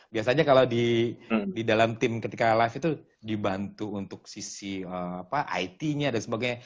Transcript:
biasanya kalau di dalam tim ketika live itu dibantu untuk sisi it nya dan sebagainya